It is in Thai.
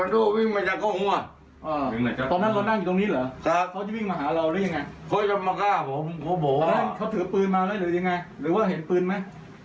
หรือว่าเห็นปืนมั้ย